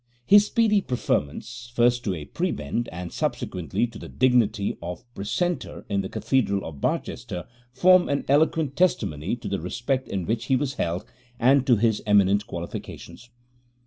His speedy preferments, first to a Prebend, and subsequently to the dignity of Precentor in the Cathedral of Barchester, form an eloquent testimony to the respect in which he was held and to his eminent qualifications.